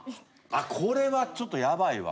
あっこれはちょっとヤバいわ。